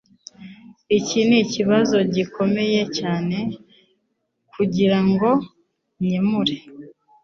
Iki nikibazo gikomeye cyane kugirango nkemure.